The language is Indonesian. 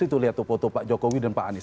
itu lihat tuh foto pak jokowi dan pak anies